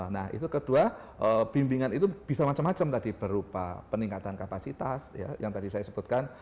nah itu kedua bimbingan itu bisa macam macam tadi berupa peningkatan kapasitas ya yang tadi saya sebutkan